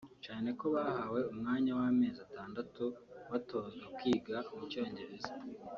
cyane ko bahawe umwanya w’amezi atandatu batozwa kwiga mu cyongereza